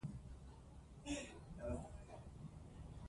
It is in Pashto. ژبه زده کول د مغزي فعالیت ښه کوي.